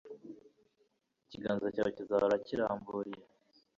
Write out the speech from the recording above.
Ikiganza cyawe kizahore kiramburiye